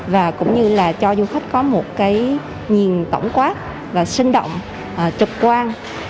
và cũng như là cho du khách có một cái nhìn tổng quát và sinh động trực quan